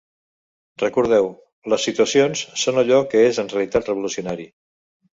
Recordeu: les situacions són allò que és en realitat revolucionari.